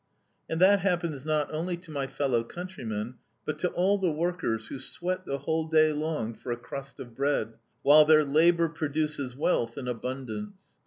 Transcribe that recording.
And that happens not only to my fellow countrymen, but to all the workers, who sweat the whole day long for a crust of bread, while their labor produces wealth in abundance.